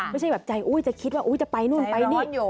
ไม่ใช่แบบใจอุ้ยจะคิดว่าอุ๊ยจะไปนู่นไปนี่